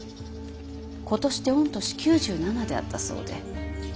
今年で御年９７であったそうで。